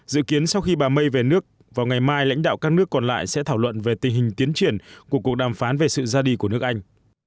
dự kiến sau khi bà may về nước vào ngày mai lãnh đạo các nước còn lại sẽ thảo luận về tình hình tiến triển của cuộc đàm phán về sự ra đi của nước anh